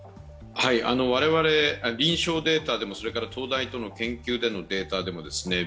我々、臨床データでも東大との研究のデータでもＢＡ．